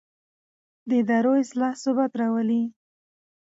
د ادارو اصلاح ثبات راولي